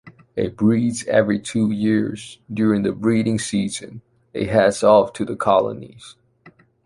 It breeds every two years. During the breeding season it heads off to the colonies.